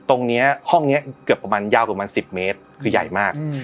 ตรงนี้ห้องนี้เกือบประมาณยาวประมาณ๑๐เมตรคือใหญ่มาก